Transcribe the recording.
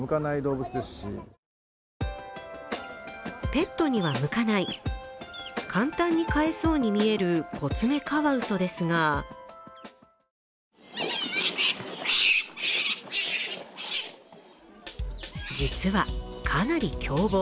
ペットには向かない、簡単に飼えそうに見えるコツメカワウソですが、実はかなり凶暴。